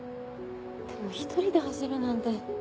でも１人で走るなんて。